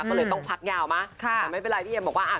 ก็เลยต้องพักยาวมั้ยแต่ไม่เป็นไรพี่เอ็มบอกว่าอ่ะ